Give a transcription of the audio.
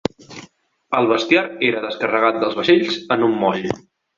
El bestiar era descarregat dels vaixells en un moll.